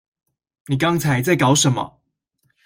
你剛才在搞什麼？